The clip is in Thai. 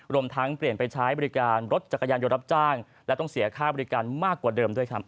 รวมทั้งเปลี่ยนไปใช้บริการรถจักรยานยนต์รับจ้างและต้องเสียค่าบริการมากกว่าเดิมด้วยครับ